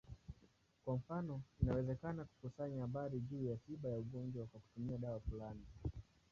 Kwa mfano, inawezekana kukusanya habari juu ya tiba ya ugonjwa kwa kutumia dawa fulani.